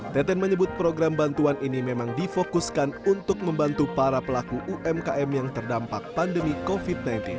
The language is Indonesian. teten menyebut program bantuan ini memang difokuskan untuk membantu para pelaku umkm yang terdampak pandemi covid sembilan belas